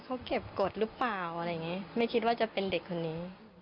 เขาเก็บกฎหรือเปล่าอะไรอย่างนี้ไม่คิดว่าจะเป็นเด็กคนนี้